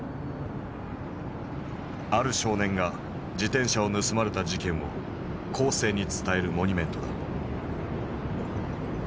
ある少年が自転車を盗まれた事件を後世に伝えるモニュメントだ。